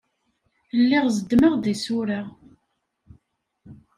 Lliɣ zeddmeɣ-d isura.